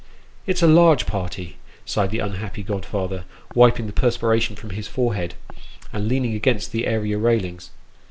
" It's a large party," sighed the unhappy godfather, wiping the perspiration from his forehead, and leaning against the area railings.